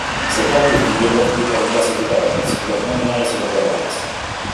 Se pueden distinguir dos tipos de clasificadores, los nominales y los verbales.